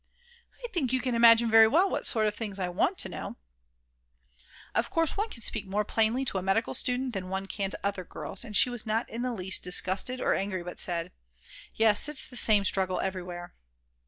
"I think you can imagine very well what sort of things I want to know." Of course one can speak more plainly to a medical student than one can to other girls, and she was not in the least disgusted or angry but said: "Yes, it's the same struggle everywhere."